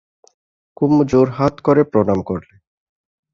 কুমু জোড়হাত করে প্রণাম করলে।